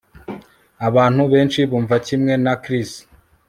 Abantu benshi bumva kimwe na Chris